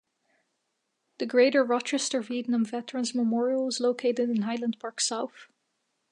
The Greater Rochester Vietnam Veterans Memorial is located in Highland Park South.